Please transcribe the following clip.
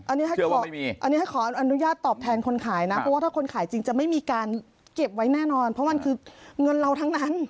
อันนี้ให้ขออนุญาตตอบแทนคนขายนะเพราะว่าถ้าคนขายจริงจะไม่มีการเก็บไว้แน่นอนเพราะมันคือเงินเราทั้งนั้น